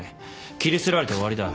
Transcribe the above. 切り捨てられて終わりだ。